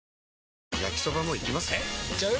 えいっちゃう？